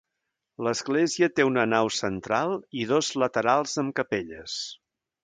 L'església té una nau central i dos laterals amb capelles.